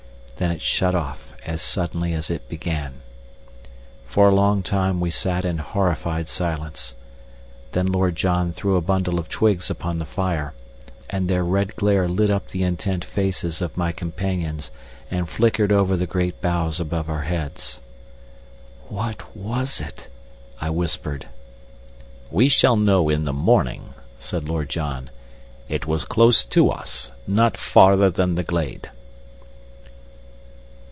Then it shut off as suddenly as it began. For a long time we sat in horrified silence. Then Lord John threw a bundle of twigs upon the fire, and their red glare lit up the intent faces of my companions and flickered over the great boughs above our heads. "What was it?" I whispered. "We shall know in the morning," said Lord John. "It was close to us not farther than the glade."